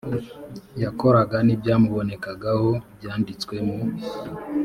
yakoraga n ibyamubonekagaho byanditswe mu